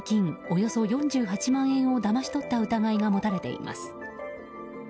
およそ４８万円をだまし取った疑いが持たれています。